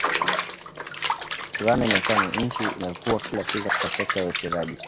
Ghana imekuwa ni nchi inayokua kila siku katika sekta ya uwekezaji